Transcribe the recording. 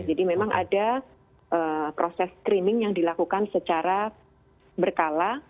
jadi memang ada proses screening yang dilakukan secara berkala